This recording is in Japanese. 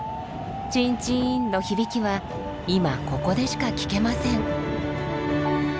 チンチンの響きは今ここでしか聞けません。